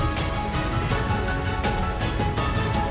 ambil ambil outro ini itu ya